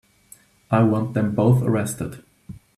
I want them both arrested.